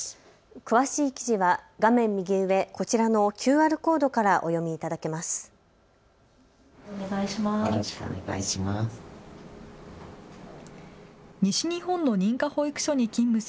詳しい記事は画面右上、こちらのＱＲコードからお読みいただけます。